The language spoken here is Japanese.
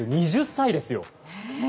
２０歳ですよ。